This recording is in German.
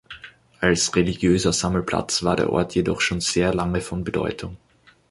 Als religiöser Sammelplatz war der Ort jedoch schon sehr lange von Bedeutung.